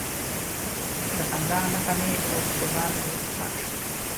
د خندا نښه مې د اوښکو لاندې ښخ شوه.